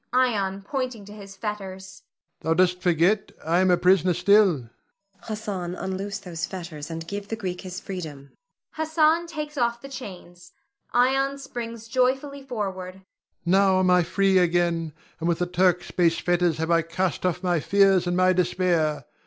Ion [pointing to his fetters]. Thou dost forget I am a prisoner still. Zuleika. Hassan, unloose these fetters, and give the Greek his freedom. [Hassan takes off the chains; Ion springs joyfully forward.] Ion. Now am I free again, and with the Turk's base fetters have I cast off my fears and my despair.